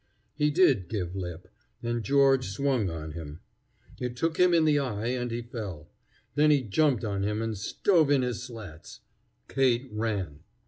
He did "give lip," and George "swung on him." It took him in the eye, and he fell. Then he jumped on him and stove in his slats. Kate ran.